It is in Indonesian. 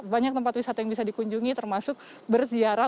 banyak tempat wisata yang bisa dikunjungi termasuk berziarah